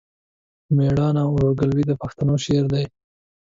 مېړانه او ورورګلوي د پښتنو شری دی.